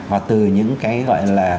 và từ những cái gọi là